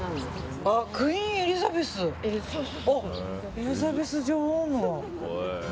エリザベス女王の。